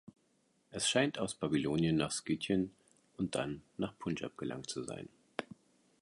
Es scheint aus Babylonien nach Skythien und dann nach Punjab gelangt zu sein.